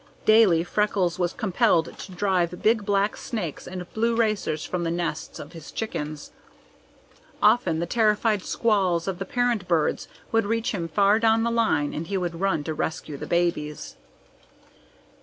Daily Freckles was compelled to drive big black snakes and blue racers from the nests of his chickens. Often the terrified squalls of the parent birds would reach him far down the line and he would run to rescue the babies.